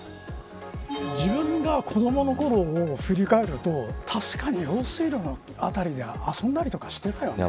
自分が子どものころを振り返ると確かに用水路の辺りで遊んだりしてたよね。